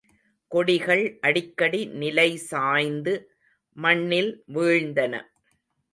கொடிகள் அடிக்கடி நிலை சாய்ந்து மண்ணில் வீழ்ந்தன.